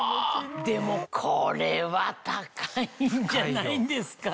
でもこれは高いんじゃないんですか。